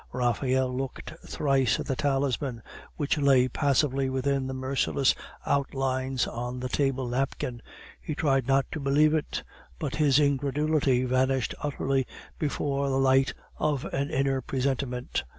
Raphael looked thrice at the talisman, which lay passively within the merciless outlines on the table napkin; he tried not to believe it, but his incredulity vanished utterly before the light of an inner presentiment.